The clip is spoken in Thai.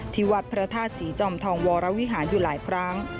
ที่วัดพระธาตุศรีจอมทองวรวิหารอยู่หลายครั้ง